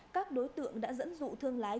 các đối tượng đã dẫn dụ thương lái